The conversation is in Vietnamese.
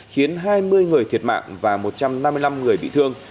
khiến hai mươi người thiệt mạng và một trăm năm mươi năm người bị thương